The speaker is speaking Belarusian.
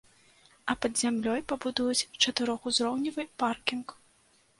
А пад зямлёй пабудуюць чатырохузроўневы паркінг.